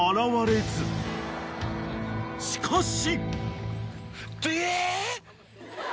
［しかし］